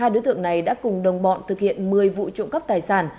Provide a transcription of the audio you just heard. hai đối tượng này đã cùng đồng bọn thực hiện một mươi vụ trụng cấp tài sản